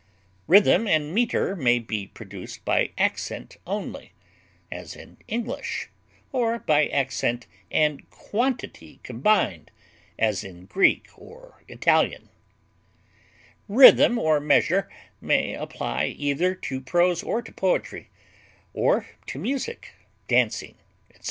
rhythm and meter may be produced by accent only, as in English, or by accent and quantity combined, as in Greek or Italian; rhythm or measure may apply either to prose or to poetry, or to music, dancing, etc.